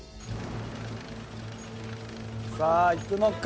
さあいくのか？